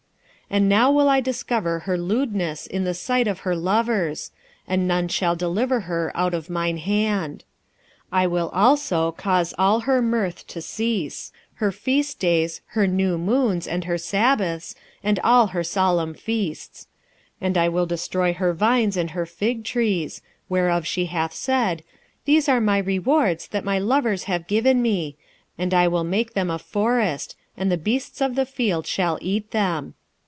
2:10 And now will I discover her lewdness in the sight of her lovers, and none shall deliver her out of mine hand. 2:11 I will also cause all her mirth to cease, her feast days, her new moons, and her sabbaths, and all her solemn feasts. 2:12 And I will destroy her vines and her fig trees, whereof she hath said, These are my rewards that my lovers have given me: and I will make them a forest, and the beasts of the field shall eat them.